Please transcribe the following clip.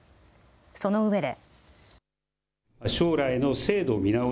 そのうえで。